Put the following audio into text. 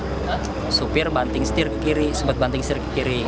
nah supir banting setir ke kiri supet banting setir ke kiri